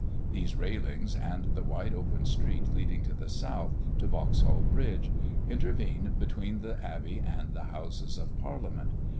These railings and the wide open street leading to the south, to Vauxhall Bridge, intervene between the Abbey and the Houses of Parliament.